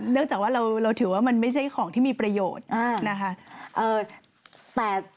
จากว่าเราถือว่ามันไม่ใช่ของที่มีประโยชน์นะคะ